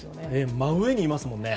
真上にいますものね。